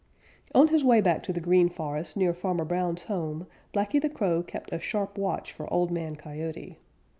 _ On his way back to the Green Forest near Farmer Brown's home, Blacky the Crow kept a sharp watch for Old Man Coyote.